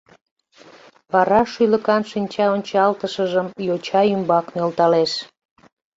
Вара шӱлыкан шинчаончалтышыжым йоча ӱмбак нӧлталеш.